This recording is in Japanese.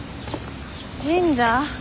神社？